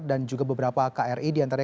dan juga beberapa kri diantara